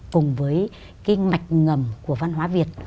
cùng với cái mạch ngầm của văn hóa việt